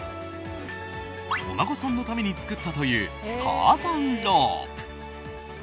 お孫さんのために作ったというターザンロープ。